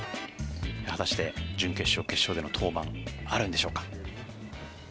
果たして準決勝、決勝での登板あるんでしょうか。